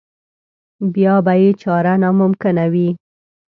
بیا به یې چاره ناممکنه وي.